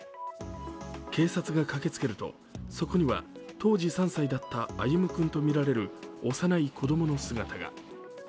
警察が駆けつけるとそこには当時３歳だった歩夢君とみられる幼い子供の姿が。